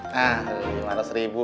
nah lima ratus ribu